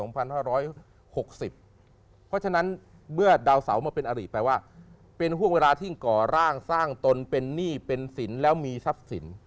เพราะฉะนั้นเมื่อดาวเสามาเป็นอริแปลว่าเป็นห่วงเวลาที่ก่อร่างสร้างตนเป็นหนี้เป็นสินแล้วมีทรัพย์สิน